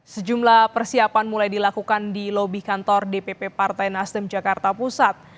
sejumlah persiapan mulai dilakukan di lobi kantor dpp partai nasdem jakarta pusat